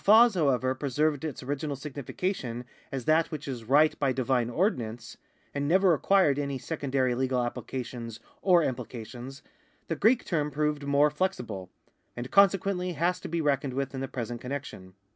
While fas, however, preserved its original significa tion as that which is right by divine ordinance, and never acquired any secondary legal applications or imjilications, the Greek term proved more flexible, and consequently has to be reckoned with in the present con nection.